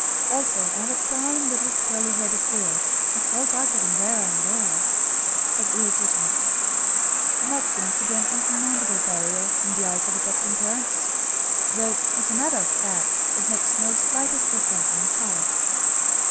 Also I have a darling little curly headed girl (and curls are getting rarer and rarer), but illegitimate. And that seems to be an unsurmountable barrier in the eyes of adopting parents, though, as a matter of fact, it makes no slightest difference in the child.